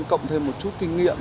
cộng thêm một chút kinh nghiệm